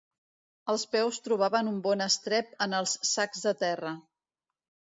Els peus trobaven un bon estrep en els sacs de terra